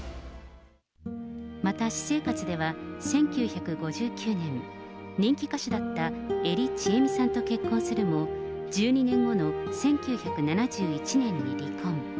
また、私生活では、１９５９年、人気歌手だった江利チエミさんと結婚するも、１２年後の１９７１年に離婚。